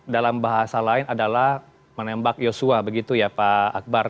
dalam bahasa lain adalah menembak yosua begitu ya pak akbar